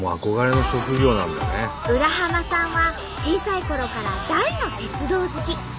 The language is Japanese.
浦さんは小さいころから大の鉄道好き。